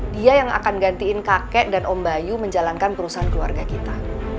dia yang akan gantiin kakek dan om bayu menjalankan perusahaan keluarga kita